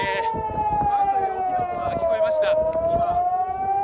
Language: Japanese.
バンという大きな音が聞こえました。